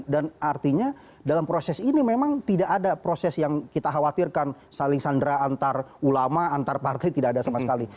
artinya dalam proses ini memang tidak ada proses yang kita khawatirkan saling sandera antar ulama antar partai tidak ada sama sekali